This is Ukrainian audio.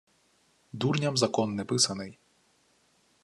Дурням закон не писаний.